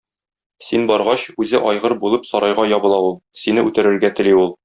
Син баргач, үзе айгыр булып сарайга ябыла ул, сине үтерергә тели ул.